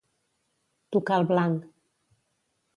Tocar el blanc.